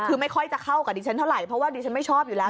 คือไม่ค่อยจะเข้ากับดิฉันเท่าไหร่เพราะว่าดิฉันไม่ชอบอยู่แล้ว